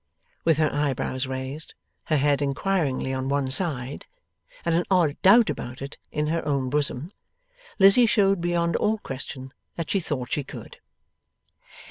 with her eyebrows raised, her head inquiringly on one side, and an odd doubt about it in her own bosom, Lizzie showed beyond all question that she thought she could.